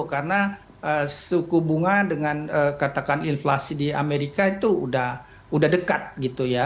karena suku bunga dengan katakan inflasi di amerika itu udah dekat gitu ya